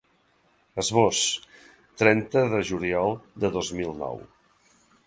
Esbós: trenta de juliol de dos mil nou.